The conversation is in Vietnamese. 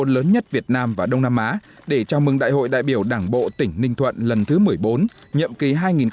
lớn nhất việt nam và đông nam á để chào mừng đại hội đại biểu đảng bộ tỉnh ninh thuận lần thứ một mươi bốn nhiệm kỳ hai nghìn hai mươi hai nghìn hai mươi năm